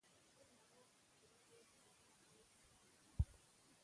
د ناروغ پښتورګي پیوند ډېر سخت دی.